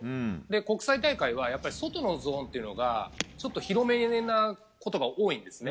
国際大会は外のゾーンというのがちょっと広めなことが多いんですね。